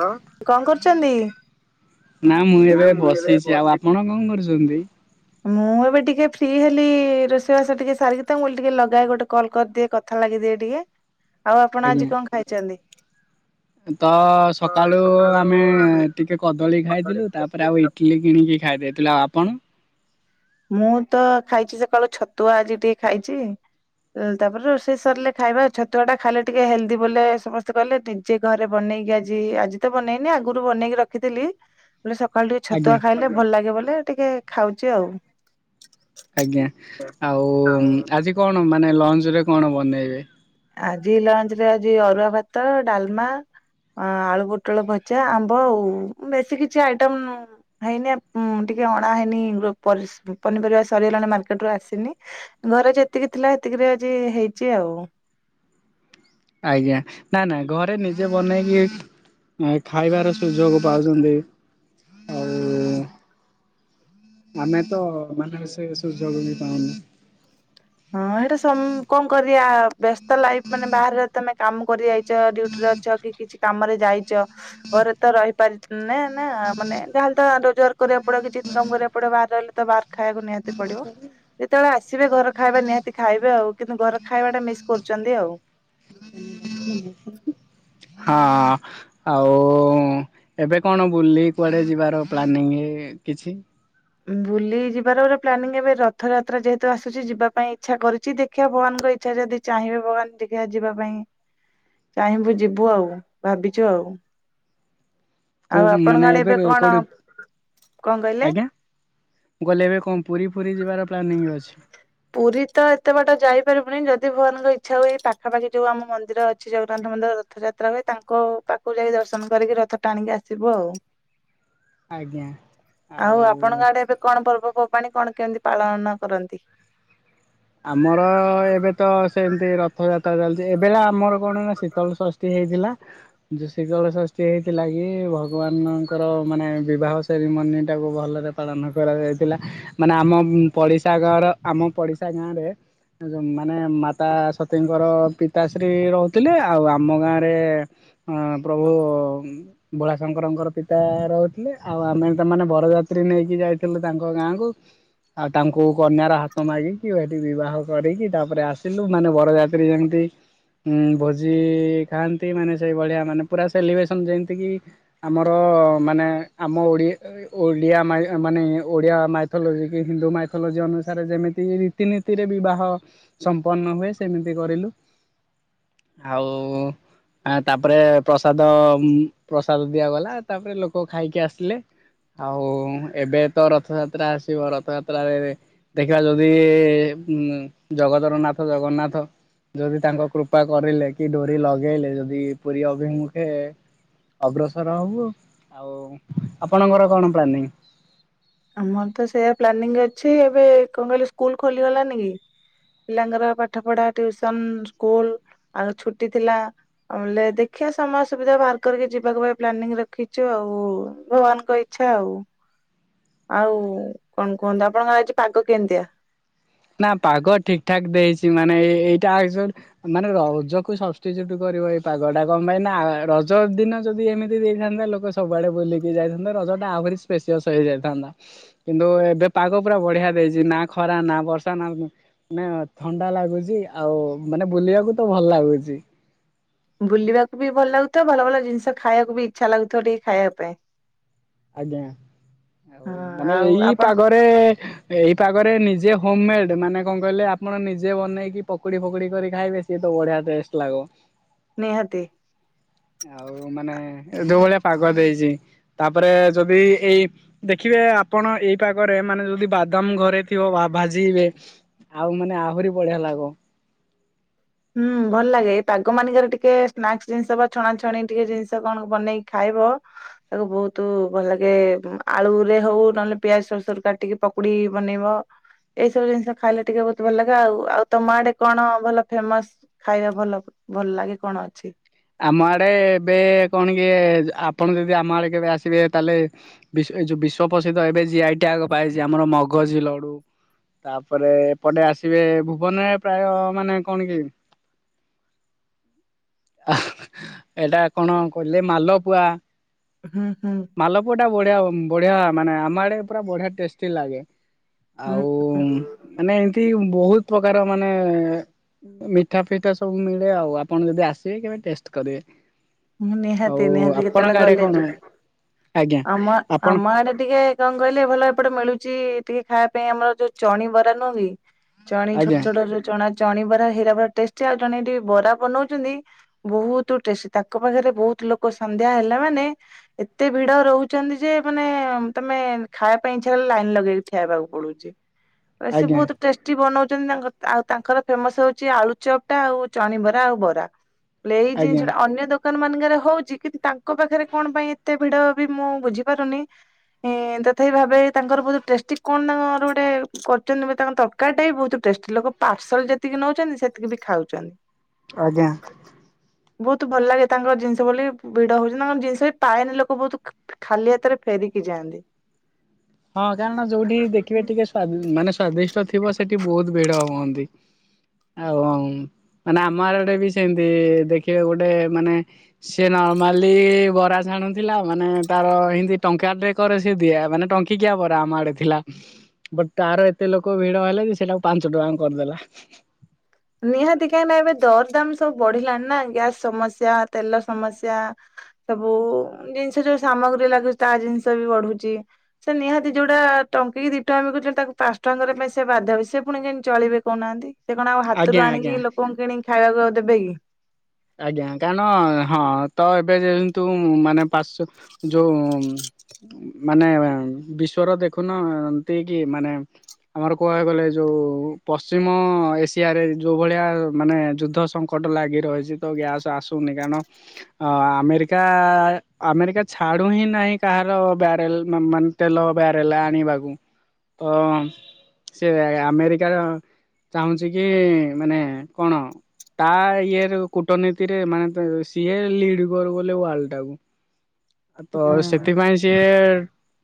ଲୋ। ନା ମୁଁ ଏବେ ବସିଛି ଆଉ ଆପଣ କଣ କରୁଛି। ଛନ୍ତି। ମୁଁ ଏବେ ଟିକେ ଫ୍ରି ହେଲି ରୋଷେଇବାସ ଟିକେ ସାରିକି ତାଙ୍କୁ ଟିକେ ଲଗାଏ ଗୋଟେ କଲ୍ କରିଦିଏ କଥା ଲାଗିଦିଏ ଟିକେ। ଆଉ ଆପଣ ଆଜ୍ଞା ଆଜି କଣ ଖାଇଛନ୍ତି। ତ ସକାଳୁ ଆମେ ଟିକେ କଦଳୀ ଖାଇଥିଲୁ ତାପରେ ଆଉ ଇଟଲିି କିଣିକି ଖାଇ ଦେଇେଇଥିଲୁ ଆଉ ଆପଣ। ମୁଁ ତ ଖାଇଛି ସକାଳୁ ଛତୁଆ ଆଜି ଟିକେ ଖାଇଛି ତାପରେ ରୋଷେଇ ସାରିଲେ ଖାଇବା ଛତୁଆ ଟା ଖାଇଲେ ଟିକେ ହେଲ୍ଦି ବୋ ସମସ୍ତେ କହିଲେ ନିଜେ ଘରେ ବନେଇକି ଆଜି ଆଜି ତ ବନେଇନି ଆଗରୁ ବନେଇକି ରଖିଥିଲି। ବୋଲେ ସକାଳୁ ଟିକେ ଆଜ୍ଞା ଛତୁଆ ଖାଇଲେ ଭଲ ଲାଗେ ବୋଲେ। ଟିକେ ଖାଉଛି ଆଉ। ଆଜ୍ଞା ଆଉ ଆଜି କଣ। ମାନେ ଲଞ୍ଚ ରେ କଣ ବନେଇବେ? ଆଜି ଲଞ୍ଚ ରେ ଆଜି ଅରୁଆ ଭାତ ଡାଲମା ଆଳୁ ପୋଟଳ ଭଜା ଆମ୍ବ ଆଉ ବେଶୀ କିଛି ଆଇଟମ ହେଇନି ଆ ଟିକେ ଅଣା ହେଇନି ପନିପରିବା ସରିଗଲାଣି ମାର୍କେଟରୁୁ ଆସିନି ଘରେ ଯେତିକି ଥିଲା ସେତିକିରେ ଆଜି ହେଇଛି ଆଉ। ଆଜ୍ଞା ନା ନା ଘରେ ନିଜେ ବନେଇକି ଖାଇବାର ସୁଯୋଗ ପାଉଛନ୍ତି ଆଉ ଆମେ ତ ମାନେ ସେ ସୁଯୋଗ ହିଁ ପାଉନୁ। ହଁ ଏଇଟା ସମ୍ କଣ କରିବା ବ୍ୟସ୍ତ ଲାଇଫ ମାନେ ବାହାରେ ତମେ କାମ କରି ଯାଇଛ ଡୁଟି ରେ ଅଛ କି କିଛି କାମରେ ଯାଇଛ ଘରେ ତ ରହିପାରିଛ ନା ମାନେ ଯାହେଲେ ତ ରୋଜୱାର କରିବାକୁ ପଡିବ କିଛି ଇନକମ କରିବାକୁ ପଡିବ ବାହାରେ ରହିଲେ ତ ବାହାର ଖାଇବାକୁ ନିହାତି। [inaudible] କେତେବେଳେ ଆସିବେ ଘର ଖାଇବା ନିହାତି ଖାଇବେ ଆଉ କିନ୍ତୁ ଘର ଖାଇବା ଟା ମିସ୍ କରୁଛନ୍ତି ଆଉ। ହଁ ଆଉ ଏବେ କଣ ବୁଲି କୁଆଡେ ଯିବାର ପ୍ଲାନିଂ କିଛି ବୁଲି ଯିବାର ଗୋଟେ ପ୍ଲାନିଂ ଏବେ ରଥଯାତ୍ରା ଯେହେତୁ ଆସୁଛି ଯିବା ପାଇଁ ଇଚ୍ଛା କରୁଛି ଦେଖିବା ଭଗବାନଙ୍କ ଇଚ୍ଛା ଯଦି ଚାହିଁବେ ଭଗବାନ ଦେଖିବା ଯିବା ପାଇଁ ଚାହିଁବୁ ଯିବୁ ଆଉ ଭାବିଛୁ ଆଉ। ଆଉ କୋଉ ଆପଣଙ୍କ ମାନେ ଆଡେ ଏବେ କଣ କୋଉଠି କଣ କହିଲେ? ଆଜ୍ଞା ମୁଁ ଗଲେ ଏବେ କଣ ପୁରୀ ଫୁରୀ ଯିବାର ପ୍ଲାନିଂ ଅଛି। ପୁରୀ ତ ଏତେ ବାଟ ଯାଇପାରିବୁନି ଯଦି ଭଗବାନଙ୍କ ଇଚ୍ଛା ହୁଏ ପାଖାପାଖି ଯୋଉ ଆମ ମନ୍ଦିର ଅଛି ଜଗନ୍ନାଥ ମନ୍ଦିର ରଥଯାତ୍ରା ହୁଏ ତାଙ୍କ ପାଖକୁ ଯାଇକି ଦର୍ଶନ କରିକି ରଥ ଟାଣିକି ଆସିବୁ ଆଉ। ଆଜ୍ଞା ଆଉ ଆପଣଙ୍କ ଆଡେ ଏବେ କଣ ପର୍ବ ପର୍ବ ପର୍ବାଣୀ କଣ କେମିତି ପାଳନ କରନ୍ତି? ଆମର ଏବେ ତ ସେମିତି ରଥଯାତ୍ ରା ଚାଲିଚି ଏବେ ଆମର କଣ ନା ଶୀତଳ ଷଷ୍ଠୀ ହେଇଥ୍ ଥିଲା ଯୋ ଶୀତଳ ଷଷ୍ଠୀ ହେଇଥିଲା କି ଭଗବାନଙ୍କର ମାନେ ବିବାହ ସେରିମନି ଟାକୁ ଭଲରେ ପାଳନ କରାଯାଇଥିଲା ମାନେ ଆମ ପଡିଶା ଘର ଆମ ପଡିଶା ଶା ଗାଁରେ ମାନେ ମାତା ସତୀଙ୍କର ପିତାଶ୍ରୀ ରହୁଥିଲେ ଆଉ ଆମ ଗାଁରେ ପ୍ରଭୁ ଭୋଳାଶଙ୍କରଙ୍କର ପିତା ରହୁଥିଲେ ଆଉ ଆମେ ସେମାନେ ବରଯାତ୍ରୀ ନେଇକି ଯାଇଥିଲୁ ତାଙ୍କ ଗାଁକୁ ଆଉ ତାଙ୍କୁ କନ୍ୟାର ହାତ ମାଗି କି ଏଠି ବିବାହ କରିକି ତାପରେ ଆସିଲୁ ମାନେ ବରଯାତ୍ରୀ ଯେମିତି ଭୋଜି ଖାଆନ୍ତି ମାନେ ସେଇଭଳିଆ ମାନେ ପୁରା ସେଲିବ୍ରେସନ୍ ଯେମିତିକି ଆମର ମାନେ ଆମ ଓଡ଼ି ଓଡ଼ିଆ ମାନେ ଓଡ଼ିଆ ମାଇଥୋଲୋଜି କି ହିନ୍ଦୁ ମାଇଥୋଲୋଜି ଅନୁସାରେ ଯେମିତି ରୀତିନୀତିରେ ବିବାହ ସମ୍ପନ୍ନ ହୁଏ ସେମିତି କରିଲୁ। ଆଉ ତାପରେ ପ୍ରସାଦ ପ୍ରସାଦ ଦିଆଗଲା ତାପରେ ଲୋକ ଖାଇକି ଆସିଲେ ଆଉ ଏବେ ତ ରଥଯାତ୍ରା ଆସିବ ରଥଯାତ୍ରାରେ ଦେଖିବା ଯଦି ଉ ଜଗତର ନାଥ ଜଗନ୍ନାଥ ଯଦି ତାଙ୍କ କୃପା କରିଲେ କି ଡୋରି ଲଗେଇଲେ ଯଦି ପୁରୀ ଅଭିମୁଖେ ଅଗ୍ରସର ହବୁ। ଆଉ ଆପଣଙ୍କର କଣ ପ୍ଲାନିଂ? ଆମର ତ ସେଇଆ ପ୍ଲାନିଂ ଅଛି ଏବେ କଣ କହିଲେ ସ୍କୁଲ ଖୋଲିଗଲାନି କି ପିଲାଙ୍କର ପାଠ ପଢ଼ା ଟିଉସନ୍ ସ୍କୁଲ ଆଉ ଛୁଟି ଥିଲା ଆଉ ବଲେ ଦେଖିବା ସମୟ ସୁବିଧା ବାହାର କରିକି ଯିବାକୁ ପାଇଁ ପ୍ଲାନିଂ ରଖିଛୁ ଆଉ ଭଗବାନଙ୍କ ଇଚ୍ଛା ଆଉ ଆଉ କଣ କୁହନ୍ତୁ ଆପଣଙ୍କର ଆଜି ପାଗ କେମିତିଆ? ନା ପାଗ ଠିକ୍ ଠାକ୍ ଦେଇଛି ମାନେ ଏଇଟା ଏକ୍ଚୁଏଲ ମାନେ ରଜକୁ ସବଷ୍ଟିଚୁଟ୍ କରିବ ଏଇ ପାଗ ଟା କଣ ପାଇଁ ନା ରଜ ଦିନ ଯଦି ଏମିତି ଦେଇଥାନ୍ତା ଲୋକ ସବୁଆଡେ ବୁଲିକି ଯାଇଥାନ୍ତେ ରଜ ଟା ଆହୁରି ସ୍ପେସିଅସ୍ ହେଇଯାଇଥାନ୍ତା କିନ୍ତୁ ଏବେ ପାଗ ପୁରା ବଢିଆ ଦେଇଛି ନା ଖରା ନା ବର୍ଷା [unintelligible] ମାନେ ଥଣ୍ଡା ଲାଗୁଛି ଆଉ ମାନେ ବୁଲିବାକୁ ତ ଭଲ ଲାଗୁଛି। ବୁଲିବାକୁ ବି ଭଲ ଲାଗୁଥିବ ଭଲ ଭଲ ଜିନିଷ ଖାଇବାକୁ ବି ଇଚ୍ଛା ଲାଗୁଥିବ ଟିକେ ଖାଇବା ପାଇଁ। ଆଜ୍ଞା ଆଉ ହଁ ମାନେ ଆଉ ଏଇ ଆପଣ ପାଗରେ ଏଇ ପାଗରେ ନିଜେ ହୋମ୍ ମେଡ୍ ମାନେ କଣ କହିଲେ ଆପଣ ନିଜେ ବନେଇକି ପକୁଡି ଫକୁଡି କରି ଖାଇବେ ସିଏ ତ ବଢିଆ ଟେଷ୍ଟ ଲାଗବ। ନିହାତି। ଆଉ ମାନେ ଏ ଯୋଉ ଭଳିଆ ପାଗ ଦେଇଛି ତାପ ତାପରେ ଯଦି ଏଇ ଦେଖିବେ ଆପଣ ଏଇ ପାଗରେ ମାନେ ଯଦି ବାଦାମ ଘରେ ଥିବ ବା ଭାଜିିବେ ଆଉ ମାନେ ଆହୁରି ବଢିଆ ଲାଗବ। ହୁଁ ଭଲ ଲାଗେ ଏଇ ପାଗ ମାନଙ୍କରେ ଟିକେ ସ୍ନାକସ୍ ଜିନିଷ ବା ଛଣା ଛଣି ଟିକେ ଜିନିଷ କଣ ବନେଇକି ଖାଇବ ତାକୁ ବହୁତ ଭଲ ଲାଗେ ଆଳୁରେ ହଉ ନହେଲେ ପିଆଜ ସରସୁର କାଟିକି ପକୁଡି ବନେଇବ ଏଇ ସବୁ ଜିନିଷ ଖାଇଲେ ଟିକେ ବହୁତ ଭଲ ଲାଗେ ଆଉ ଆଉ ତମ ଆଡେ କଣ ଭଲ ଫେମସ୍ ଖାଇବା ଭଲ ଭଲ୍ ଲାଗେ କଣ ଅଛି? ଆମ ଆଡେ ଏବେ କଣ କି ଆପଣ ଯଦି ଆମ ଆଡେ କେବେ ଆସିବେ ତାହେଲେ ଏ ଯୋଉ ବିଶ୍ଵ ପ୍ରସିଦ୍ଧ ଏବେ ଜିଆଇ ଟିଆଗ ପାଇଛି ଆମର ମଗଜି ଲଡୁ ତାପରେ ଏପଟେ ଆସିବେ ଭୁବନରେ ପ୍ରାୟ ମାନେ କଣ କି ଆ ଏଇଟା କଣ କହିଲେ ମାଲପୁଆ ହୁଁ ହୁଁ। ମାଲପୁଆ ଟା ବଢିଆ ବଢିଆ ମାନେ ଆମ ପୁରା ବଢିଆ ଟେଷ୍ଟି ଲାଗେ। ହୁଁ ଆଉ ମାନେ ଏମତି ବହୁତ ପ୍ରକାର ମାନେ ମିଠା ଫିଠା ସବୁ ମିଳେ ଆଉ ଆପଣ ଯଦି ଆସି ବେ କେବେ ଟେଷ୍ଟ କରିବେ। ମୁଁ ଆଉ ନିହାତି ନିହାତି କେତେବେଳେ ଆପଣଙ୍କ ଆଡେ ଗଲେ କଣ ଯିବି ଆଜ୍ଞା ଆମ ଆପଣ ଆମ ଆଡେ ଟିକେ କଣ କହିଲେ ଭଲ ଏପଟେ ମିଳୁ ଚି ଟିକେ ଖାଇବା ପାଇଁ ଆମର ଯୋଉ ଚଣି ବରା ନୁହେଁ କି? ଚଣି ଛୋଟ ଆଜ୍ଞା ଛୋଟ ଯୋଉ ଚଣା ଚଣି ବରା ହୀରା ବରା ଟେଷ୍ଟି ଆଉ ଜଣେ ଏଠି ବରା ବନଉଛନ୍ତି ବହୁତ୍ ଟେସ୍ ତାଙ୍କ ପାଖରେ ବହୁତ ଲୋକ ସନ୍ଧ୍ୟା ହେଲା ମାନେ ଏତେ ଭିଡ ରହୁଛନ୍ତି ଯେ ମାନେ ତମେ ଖାଇବା ପାଇଁ ଇଛା କଲେ ଲାଇନ ଲଗେଇକି ଠିଆହେବାକୁ ପଡୁଚି। ଏ ସେ ଆଜ୍ଞା ବହୁତ ଟେଷ୍ଟି ବନଉ ଆଉ ତାଙ୍କର ଫେମସ୍ ହଉଛି ଆଳୁଚପ ଟା ଆଉ ଚଣିବରା ଆଉ ବରା। ଲେ ଏଇ ଆଜ୍ଞା ଜିନିଷଟା ଅନ୍ୟ ଦୋକାନ ମାନଙ୍କରେ ହଉଛି କିନ୍ତୁ ତାଙ୍କ ପାଖରେ କଣ ପାଇଁ ଏତେ ଭିଡ ବି ମୁଁ ବୁଝି ପାରୁନି ଇଁ ତଥାପି ଭାବେ ତାଙ୍କର ବହୁତ ଟେଷ୍ଟି କଣ ତାଙ୍କର ଗୋଟେ କରୁଛନ୍ତି ତାଙ୍କ ତରକାରୀ ଟା ବି ବହୁତ ଟେଷ୍ଟି ପାର୍ସଲ୍ ଯେତିକି ନଉଛନ୍ତି ସେତିକି ବି ଖାଉଛନ୍ତି। ଆଜ୍ଞା। ବହୁତୁ ଭଲ ଲାଗେ ତାଙ୍କର ଜିନିଷ ବୋଲି ଭିଡ ହଉଛି ତାଙ୍କର ଜିନିଷ ବି ପାଏନି ଲୋକ ବହୁତ ଖାଲି ହାତରେ ଫେରିକି ଯାଆନ୍ତି। ହଁ କାରଣ ଯୋଉଠି ଦେଖିବେ ଟିକେ ସ୍ଵ ମାନେ ସ୍ଵାଦିଷ୍ଟ ଥିବ ସେଠି ବହୁତ ଭିଡ ହୁଅନ୍ତି। ଆଉ ମାନେ ଆମ ଆଡେ ବି ସେମିତି ଦେଖିବେ ଗୋଟେ ମାନେ ସି ନର୍ମାଲି ବରା ଛାଣୁଥିଲା ମାନେ ତାର ଏମିତି ଟଙ୍କା ଟେ କରେ ସେ ଦିଆ ମାନେଙ୍କ ଟଙ୍କିକିଆ ବରା ଆମ ଆଡେ ଥିଲା ବଟ ତାର ଏତେ ଲୋକ ଭିଡ ହେଲେ ଯେ ସେଟାକୁ ପାଞ୍ଚ ଟଙ୍କା କରିଦେଲା। ନିହାତି କାହିଁି ନା ଏବେ ଦର ଦାମ ସବୁ ବଢିଲାଣି ନା ଗ୍ୟାସ ସମସ୍ୟା ତେଲ ସମସ୍ୟ ସବୁ ଜିନିଷ ଯୋଉ ସାମଗ୍ରୀ ଲାଗୁଛି ତା ଜିନିଷ ବି ବଢୁଛି ସେ ନିହାତି ଯୋଉଟା ଟଙ୍କିି ଦି ଟଙ୍କା ବିକୁଛି ତାକୁ ପାଞ୍ଚ ଟଙ୍କା ପାଇଁ ସେ ବାଧ୍ୟଧ ହେବ ସେ ପୁଣି କେହିକ ଚଳିବେ କହୁନାହାନ୍ତି ସେ କଣ ପିତରୁ ଆଜ୍ଞା ଆଜ୍ଞା। ଆଣିକି ଲୋକଙ୍କୁ କିଣିକି ଖାଇବାକୁ ଦେବେ କିି। ଆଜ୍ଞା କାରଣ ହଁ ତ ଏବେ ଯେହେତୁ ମାନେ ପା ଯୋଉ ମାନେ ବିଶ୍ଵର ଦେଖୁନ ଏମତି କି ମାନେ ଆମର କୁହା ହେଇଗଲେ ଯୋଉ ପଶ୍ଚିମ ଏସିଆରେ ଯୋଉ ଭଳିଆ ମାନେ ଯୁଦ୍ଧ ସଙ୍କଟ ଲାଗି ରହିଛି ତ ଗ୍ୟାସ୍ ଆସୁନି କାରଣ ଆମେରିକା ଆମେରିକା ଛାଡୁ ହିଁ ନାହିଁ କାହାର ବ୍ୟାରେଲ ମାନେ ତେଲ ବ୍ୟାରେଲ ଆଣିବାକୁ ତ ସେ ଆମେରିକାର ଚାହୁଁଛି କି ମାନେ କଣ ତା ଇଏ ର କୂଟନୀତିରେ ମାନେ ସିଏ ଲିଡ କର ଗଲେ ୱାର୍ଲ ଟାକୁ‌। ତ ହୁଁ ସେଥିପାଇଁ ସିଏ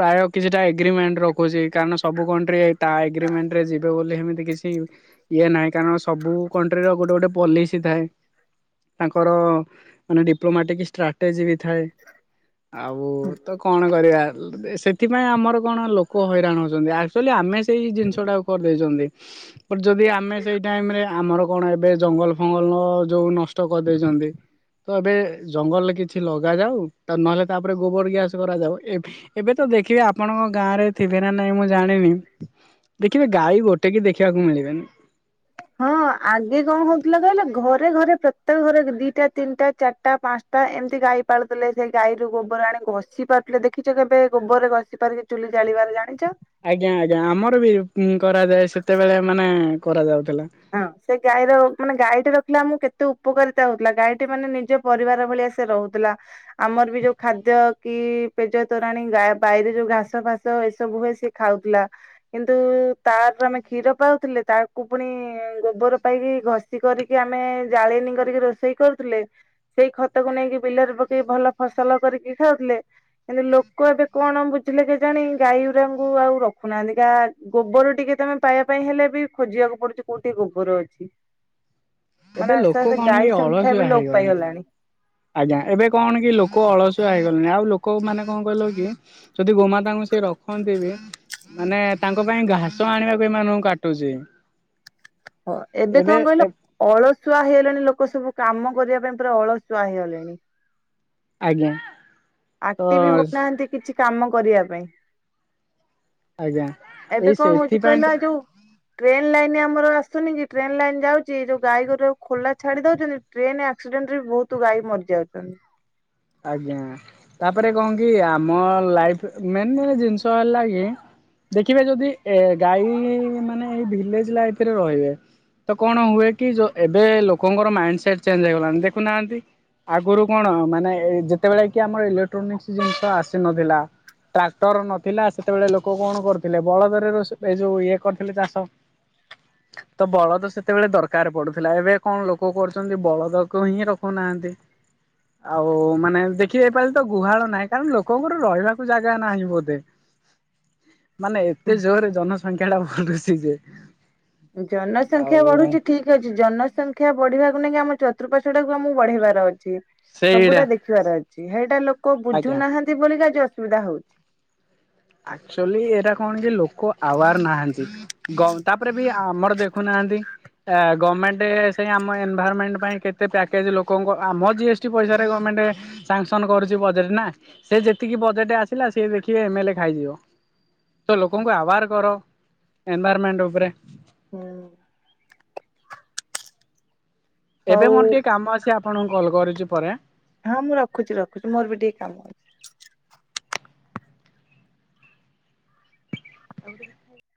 ପ୍ରାୟ କିଛିଟା ଏଗ୍ରିମେଣ୍ଟ ରଖୁଛି କାରଣ ସବୁ କଣ୍ଟ୍ରି ତା ଏଗ୍ରିମେଣ୍ଟରେ ଯିବେ ବୋଲି ସେମିତି କିଛି ଇଏ ନାହିଁ କାରଣ ସବୁ କଣ୍ଟ୍ରି ର ଗୋଟେ ଗୋଟେ ପଲିସି ଥାଏ। ତାଙ୍କର ମାନେ ଡିପ୍ଲୋମାଟିକ ଷ୍ଟ୍ରାଟେଜି ବି ଥାଏ ଆଉ ତ କଣ କରିବା ସେଥିପାଇଁ ଆମର କଣ ଲୋକ ହଇରାଣ ହଉଛନ୍ତି ଆକ୍ଚୁଆଲି ଆମେ ସେଇ ଜିନିଷ ଟା କରିଦେଇଛନ୍ତି ବଟ ଯଦି ଆମେ ସେଇ ଟାଇମରେ ଆମର କଣ ଏବେ ଜଙ୍ଗଲ ଫଙ୍ଗଲ ଯୋଉ ନଷ୍ଟ କରିଦେଇଛନ୍ତି ତ ଏବେ ଜଙ୍ଗଲରେ କିଛି ଲଗାଯାଉ ନହେଲେ ତାପରେ ଗୋବର ଗ୍ୟାସ କରାଯାଉ ଏବେ ତ ଦେଖିବେ ଆପଣଙ୍କ ଗାଁ ରେ ଥିବେ ନା ନାଇଁ ମୁଁ ଜାଣିନି କେବେ ଗାଈ ଗୋଟେ କି ଦେଖିବାକୁ ମିଳିବେନି। ହଁ ଆଗେ କଣ ହଉଥିଲା କହିଲା ଘରେ ଘରେ ପ୍ରତ୍ୟେକ ଘରେ ଦିଟା ତିନିଟା ଚାରିଟା ପାଞ୍ଚଟା ଏମିତି ଗାଈ ପାଳୁଥିଲେ ସେଇ ଗାଈରୁ ଗୋବର ଆଣି ଘଷି ପାରୁଥିଲେ ଦେଖିଛ କେବେ ଗୋବରରେ ଘଷି ପାରିକି ଚୁଲି ଜାଳିବାରେ ଜାଣି ଆଜ୍ଞା ଆଜ୍ଞା ଆମର ବି କରାଯାଏ ସେତେବେଳେ ମାନେ କରାଯାଉଛି ହ ସେ ଗାଈର ମାନେ ଗାଈଟି ର ଥିଲା ମୁଁ କେତେ ଉପକାରିତା ହଉଥିଲା ଗାଈଟି ମାନେ ନିଜ ପରିବାର ଭଳିଆସ ରହୁଥିଲା ଆମର ବି ଯୋଉ ଖାଦ୍ୟ କି ପେଜ ତୋରାଣି ଗା ବାଇରେ ଯୋଉ ଘାସ ଫାସ ଏସବୁ ହୁଏ ସିଏ ଖାଉଥିଲା କିନ୍ତୁ ତାର ଆମେ କ୍ଷୀର ପାଉଥିଲେ ତାକୁ ପୁଣି ଗୋବର ପାଇକି ଘଷି କରିକି ଆମେ ଜାଳିନୀ କରିକି ରୋଷେଇ କରୁଥିଲେ ସେଇ ଖତକୁ ନେଇକି ବିଲରେ ପକେଇକି ଭଲ ଫସଲ କରିକି ଖାଉଥିଲେ କିନ୍ତୁ ଲୋକ ଏବେ କଣ ବୁଝିଲେ କି ଜାଣି ଗାଈଗୁରାଙ୍କୁ ଆଉ ରଖୁନାହାନ୍ତି କ ଗୋବର ଟିକେ ତମେ ପାଇବା ପାଇଁ ହେଲେ ବି ଖୋଜିବାକୁ ପଡୁଛି କୋଉଠି ଗୋବର ଅଛି। ଏବେ ମାନେ ଆସ୍ତେ ଲୋକ ଆସ୍ତେ କଣ କି ଗାଈ ସଂଖ୍ୟା ଅଳସୁଆ ବି ଲୋପ ହେଇଗଲେଣି ପାଇଗଲାଣି। ଆଜ୍ଞା ଏବେ କଣ କି ଲୋକ ଅଳସୁଆ ହେଇଗଲେଣି ଆଉ ଲୋକ ମାନେ କଣ କହିଲ କି ଯଦି ଗୋମାତାଙ୍କୁ ସେ ରଖନ୍ତି ବି ମାନେ ତାଙ୍କ ପାଇଁ ଘାସ ଆଣିବାକୁ ଏମାନାନଙ୍କୁ କାଟୁଚି। ହଁ ଏବେ କଣ କହିଲ ଅଳସୁଆ ହେଇଗଲାଣି ଲୋକ ସବୁ କାମ କରିବା ପାଇଁ ପୁରା ଅଳସୁଆ ହେଇଗଲେଣି। ଆଜ୍ଞା। ତ ଆକ୍ଟିଭ ବି ହଉନାହାନ୍ତି କିଛି। କାମ କରିବା ପାଇଁ। ଆଜ୍ଞା ଏବେ ଏଇ କଣ ହଉଛି ସେଥିପାଇଁ ତ କହିଲା ଯୋଉ ଟ୍ରେନ ଲାଇନ୍ ଆମର ଆସୁନି କି ଟ୍ରେନ୍ ଲାଇନ୍ ଯାଉଛି ଯୋଉ ଗାଈ ଘୋର ଖୋଲା ଛାଡି ଦଉଛନ୍ତି ଟ୍ରେନ ଆକ୍ସିଡେଣ୍ଟ ରେ ବି ବହୁତ ଗାଈ ମରି ଯାଉଛନ୍ତି। ଆଜ୍ଞା ତାପରେ କଣ କି ଆମ ଲାଇଫ ମେନ୍ ଜିନିଷ ହେଲା କି ଦେଖିବେ ଯଦି ଏ ଗାଈ ମାନେ ଏଇ ଭିଲେଜ ଲାଇଫରେ ରହିବେ ତ କଣ ହୁଏ କି ଏବେ ଲୋକଙ୍କର ମାଇଣ୍ଡ ସେଟ ଚେଞ୍ଜ ହେଇଗଲାଣି ଦେଖୁନାହାନ୍ତି ଆଗରୁ କଣ ମାନେ ଏ ଯେତେବେଳେ କି ଆମର ଇଲେକ୍ଟ୍ରୋନିକ୍ସ ଜିନିଷ ଆସିନଥିଲା ଟ୍ରାକ୍ଟର ନଥିଲା ସେତେବେଳେ ଲୋକ କଣ କରୁଥିଲେ ବଳଦରେ ରୋଷେଇ ଯୋଉ ଇଏ କରିଥିଲେ ଚାଷ ତ ବଳଦ ସେତେବେଳେ ଦରକାର ପଡୁଥିଲା ଏବେ କଣ ଲୋକ କରୁଛନ୍ତି ବଳଦକୁ ହିଁ ରଖୁନାହାନ୍ତି ଆଉ। ଓ ମାନେ ଦେଖିବେ ତ ଏବେ ଗୁହାଳ ନାହିଁ କାରଣ ଲୋକଙ୍କର ରହିବାକୁ ଜାଗା ନାହିଁ ବୋଧେ। ମାନେ ଏତେ ଜୋରରେ ଜନ ସଂଖ୍ୟା ଟା ବଢୁଛି ସି ଯେ। ଜନସଂଖ୍ୟା ଆଉ ବଢୁଛି ଠିକ ଅଛି ଜନସଂଖ୍ୟା। ଶିକ୍ଷା ବଢିବାକୁ ନେଇକି ଆମ ଚତୃପାଶ୍ୱ ଟାକୁ ଆମକୁ ବଢ଼େଇବାର ଅଛି। ସେଇଟା ସବୁଟା ଦେଖିବାର ଅଛି। ସେଇଟା ଲୋକ କୋଉ ଆଜ୍ଞା ବୁଝୁନାହାନ୍ତି ବୋଲିିକା ଯୋ ଅସୁବିଧା ହଉଛି। ଆଚ୍ୟୁଆଲି ଏଇଟା କଣ କି ଲୋକ ଆୱାର ନାହାନ୍ତି ଗ ତାପରେ ବି ଆମର ଦେଖୁନାହାନ୍ତି ଗମେଣ୍ଟ ସେଇ ଆମ ଏନଭାଇରମେଣ୍ଟ ପାଇଁ କେତେ ପ୍ୟାକେଜ ଲୋକଙ୍କ ଆମ ଜିଏସ୍ ଟି ପଇସାରେ ଗମେଣ୍ଟ ସାଙ୍ଗସନ କରୁଛି ବଜେଟ ନା ସେ ଯେତିକି ବଜେଟ୍ ଆସିଲା ସି ଦେଖି ଏମଲେ। ଖାଇଯିବ ତ ଲୋକଙ୍କୁ ଆୱାର କର ଏନଭାରମେଣ୍ଟ ଉପରେ। ହୁଁ। ଏବେ ହଉ ମୋର ଟିକେ କାମ ଆଛି ଆପଣଙ୍କୁ କଲ୍ କରୁଛି। କରୁଛି ପରେ। ହଁ ମୁଁ ରଖୁଛି ରଖୁଛି ମୋର ବି ଟିକେ କାମ ଅଛି। ଆଉ।